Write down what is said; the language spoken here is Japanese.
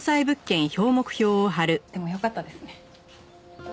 でもよかったですね。